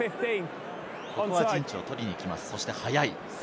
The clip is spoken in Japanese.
ここは陣地を取りに行きます、そして速い。